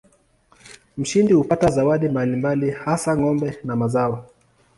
Mshindi hupata zawadi mbalimbali hasa ng'ombe na mazao.